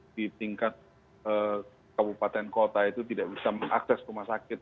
di tingkat kabupaten kota itu tidak bisa mengakses rumah sakit